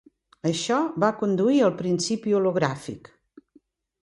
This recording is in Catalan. Això va conduir al principi hologràfic.